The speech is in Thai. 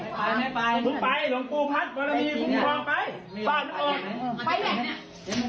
ไปยัง